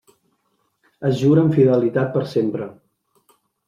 Es juren fidelitat per sempre.